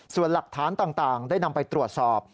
ส่วนหลักฐานต่างได้นำไปตรวจสอบ